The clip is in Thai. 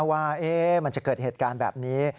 ว่ามันจะเกิดเหตุการณ์แบบนี้